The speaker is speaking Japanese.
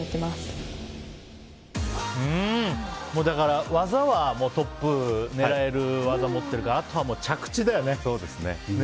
だから、技はトップ狙える技を持ってるからあとは着地だよね。